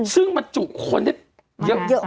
ซึ่งมันจุคนได้เยอะมากนะฮะ